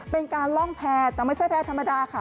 เป็นการล่องแพร่แต่ไม่ใช่แพร่ธรรมดาค่ะ